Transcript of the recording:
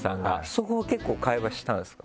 そこは結構会話したんですか？